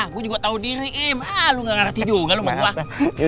gue juga tau diri im lu ga ngerti juga lo menua